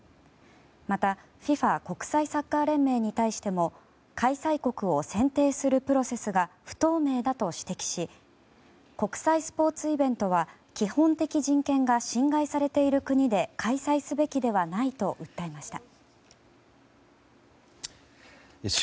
また、ＦＩＦＡ・国際サッカー連盟に対しても開催国を選定するプロセスが不透明だと指摘し国際スポーツイベントは基本的人権が侵害されている国で開催すべきではないと訴えました。